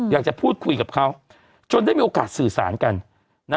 อยากจะพูดคุยกับเขาจนได้มีโอกาสสื่อสารกัน